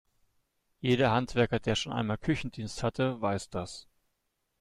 Jeder Handwerker, der schon einmal Küchendienst hatte, weiß das.